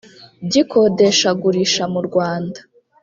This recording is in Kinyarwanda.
By ikodeshagurisha mu rwanda